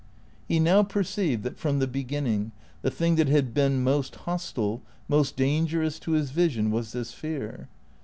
He now perceived that, from the beginning, the thing that had been most hostile, most dangerous to his vision Avas this fear.